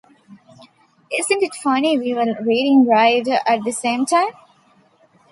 Isn't it funny we were reading Wright at the same time.